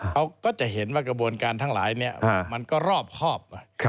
เขาก็จะเห็นว่ากระบวนการทั้งหลายเนี่ยมันก็รอบครอบ